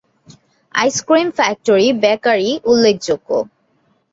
Ice cream factory, bakery, উল্লেখযোগ্য।